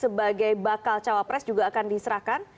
sebagai bakal cawapres juga akan diserahkan